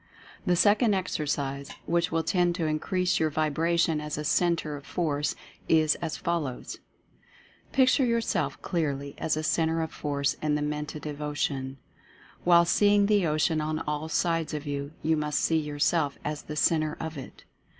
The second exercise, which will tend to increase your vibration as a Centre of Force, is as follows: Picture yourself clearly as a Centre of Force in the Mentative Ocean. While seeing the Ocean on all sides of you, you must see yourself as the Centre of it.